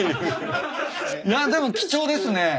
いやでも貴重ですね。